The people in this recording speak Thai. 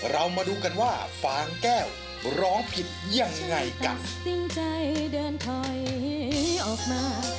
เรามาดูกันว่าฟางแก้วร้องผิดยังไงกัน